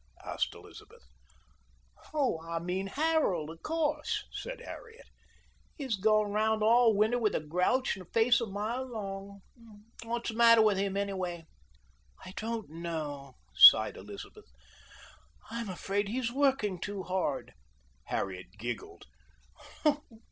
asked Elizabeth. "Oh, I mean Harold, of course," said Harriet. "He's gone around all winter with a grouch and a face a mile long. What's the matter with him anyway?" "I don't know," sighed Elizabeth. "I'm afraid he's working too hard." Harriet giggled.